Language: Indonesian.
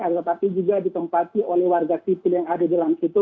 ini adalah tapi juga ditempati oleh warga sipil yang ada di dalam situ